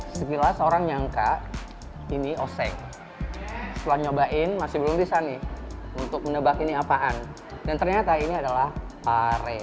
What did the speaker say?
setelah mencoba saya terasa bahwa ini adalah pere